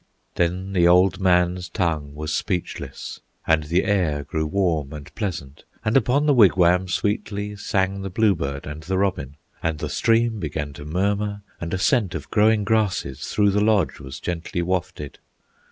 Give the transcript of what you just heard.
Then the old man's tongue was speechless And the air grew warm and pleasant, And upon the wigwam sweetly Sang the bluebird and the robin, And the stream began to murmur, And a scent of growing grasses Through the lodge was gently wafted.